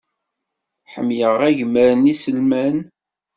Ḥemmleɣ agmar n yiselman.